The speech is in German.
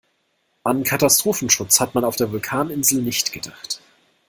An Katastrophenschutz hat man auf der Vulkaninsel nicht gedacht.